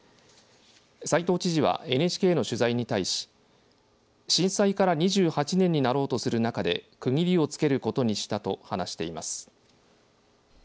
斎藤知事はＮＨＫの取材に対し震災から２８年になろうとする中で区切りをつけることにしたと話しています。